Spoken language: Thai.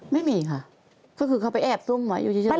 ไม่มีค่ะก็คือเขาไปแอบซุ่มไว้อยู่เฉย